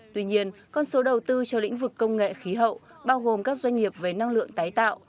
tuy nhiên con số đầu tư cho lĩnh vực công nghệ khí hậu bao gồm các doanh nghiệp về năng lượng tái tạo